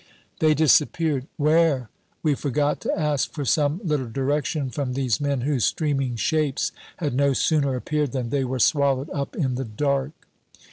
They disappeared. Where? We forgot to ask for some little direction from these men whose streaming shapes had no sooner appeared than they were swallowed up in the dark.